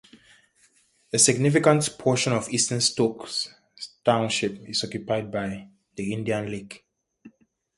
A significant portion of eastern Stokes Township is occupied by Indian Lake.